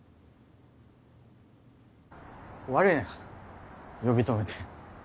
悪いな呼び止めて。